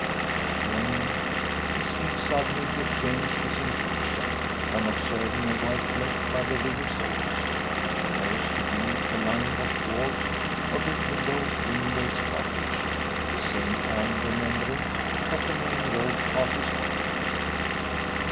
But again he seems suddenly to change his intention; on observing a white fleck by the river's edge, which he knows to be the lime washed walls of the widow Wingate's cottage, at the same time remembering that the main road passes by it.